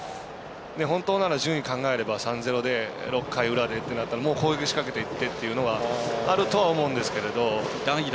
本当なら順位を考えれば３−０で６回裏でって思ったらもう攻撃しかけていけというのはあるかと思うんですが。